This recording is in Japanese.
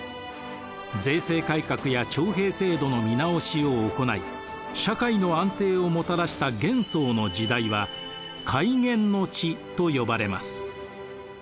税制改革や徴兵制度の見直しを行い社会の安定をもたらした玄宗の時代は開元の治と呼ばれます。